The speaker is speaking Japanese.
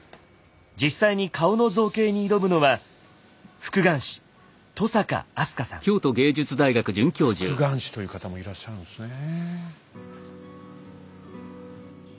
実際に顔の造形に挑むのは「復顔師」という方もいらっしゃるんですね。